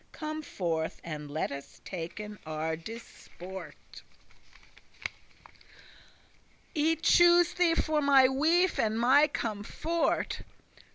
Come forth, and let us taken our disport; I choose thee for my wife and my comfort."